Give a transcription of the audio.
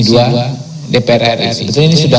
dpr ri sebetulnya ini sudah